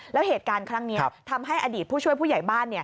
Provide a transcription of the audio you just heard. แล้วเหตุการณ์ครั้งนี้ทำให้อดีตผู้ช่วยผู้ใหญ่บ้าน